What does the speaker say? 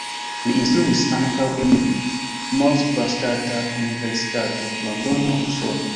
Li instruis ankaŭ en Moskva Ŝtata Universitato, Londono, Usono.